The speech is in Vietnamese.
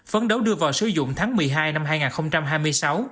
phấn đấu đưa vào sử dụng tháng một mươi hai năm hai nghìn hai mươi sáu